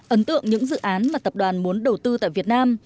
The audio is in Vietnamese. ấn tượng những dự án mà tập đoàn muốn đầu tư tại việt nam